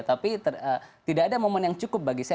tapi tidak ada momen yang cukup bagi saya